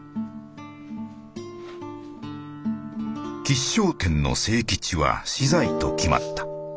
吉祥天の清吉は死罪と決まった。